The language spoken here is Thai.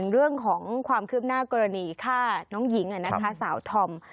เรื่องของความคืบหน้ากรณีฆ่าน้องหญิงสาวธอม